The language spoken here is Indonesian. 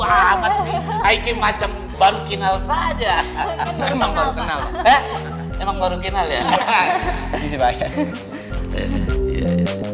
amat sih kayak macam baru kenal saja hahaha emang baru kenal ya hahaha huhuhu emang baru kenal ya hahaha